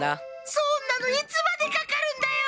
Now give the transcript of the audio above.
そんなのいつまでかかるんだよ。